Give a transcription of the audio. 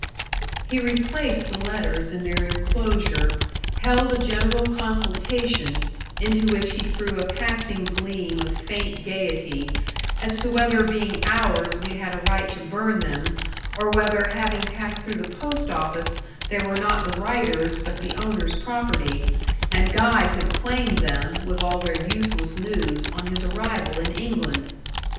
He replaced the letters in their enclosure held a general consultation, into which he threw a passing gleam of faint gaiety, as to whether being ours we had a right to burn them, or whether having passed through the post office they were not the writer's but the owner's property, and Guy could claim them, with all their useless news, on his arrival in England.